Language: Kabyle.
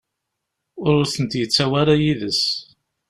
Ur tent-yettawi ara yid-s.